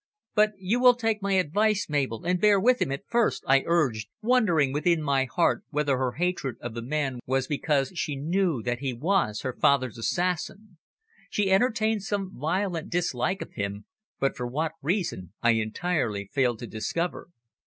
"But you will take my advice, Mabel, and bear with him at first," I urged, wondering within my heart whether her hatred of the man was because she knew that he was her father's assassin. She entertained some violent dislike of him, but for what reason I entirely failed to discover.